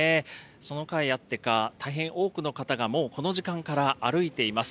そのかいあってか、大変多くの方がもうこの時間から歩いています。